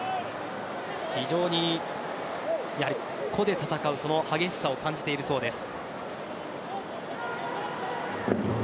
非常に個で戦う激しさを感じているそうです。